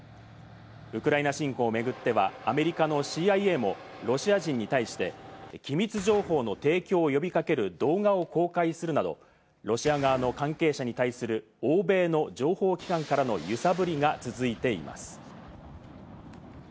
ウクライナ侵攻を巡っては、アメリカのＣＩＡもロシア人に対して、機密情報の提供を呼びかける動画を公開するなど、ロシア側の関係者に対する欧米の情報機関からの揺さぶりが続いています。